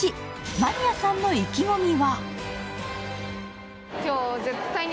マニアさんの意気込みは？